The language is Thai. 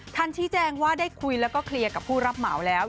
ชี้แจงว่าได้คุยแล้วก็เคลียร์กับผู้รับเหมาแล้ว